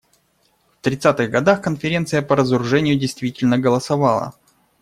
В тридцатых годах Конференция по разоружению, действительно, голосовала.